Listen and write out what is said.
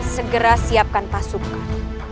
segera siapkan pasukan